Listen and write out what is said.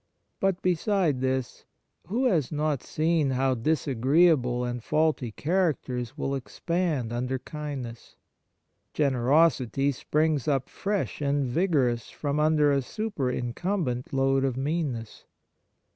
But, beside this, who has not seen how disagreeable and faulty characters will expand under kind ness ? Generosity springs up fresh and 28 Kindness vigorous from under a superincumbent load of meanness.